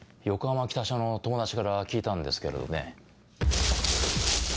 横浜北署の友達から聞いたんですけれどね。